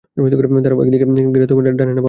দাঁড়াও, কোনদিকে ঘোরাতে হবে, ডানে না বামে?